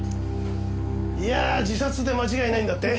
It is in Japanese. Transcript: いやー自殺で間違いないんだって？